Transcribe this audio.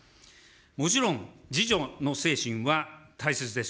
もちろん、自助の精神は大切です。